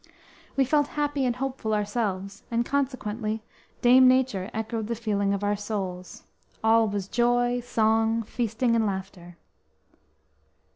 We felt happy and hopeful ourselves, and consequently Dame Nature echoed the feeling of our souls. All was joy, song, feasting and laughter.